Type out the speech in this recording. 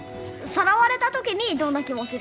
さらわれた時にどんな気持ちだったか。